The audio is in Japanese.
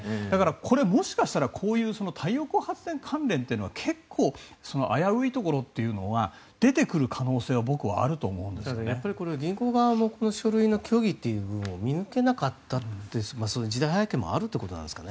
これ、もしかしたら太陽光発電関連というのは結構危ういところというのが出てくる可能性は銀行側も書類の虚偽というのを見抜けなかったというそういう時代背景もあるということなんですかね。